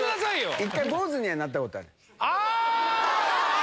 一回、坊主にはなったことがあー！